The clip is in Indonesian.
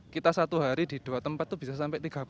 kita satu hari di dua tempat itu bisa sampai